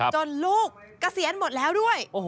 ลูกเกษียณหมดแล้วด้วย